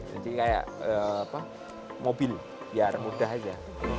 jadi kayak mobil biar mudah aja